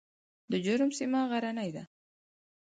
د جرم سیمه غرنۍ ده